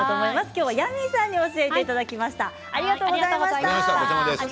きょうはヤミーさんに教えていただきました。